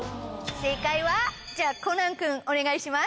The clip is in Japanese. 正解はじゃあコナン君お願いします。